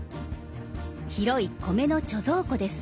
広い米の貯蔵庫です。